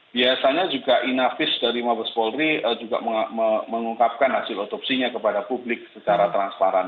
biasanya juga inavis dari mabes polri juga mengungkapkan hasil otopsinya kepada publik secara transparan